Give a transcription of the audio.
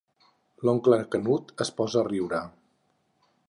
L'oncle Canut es posa a riure.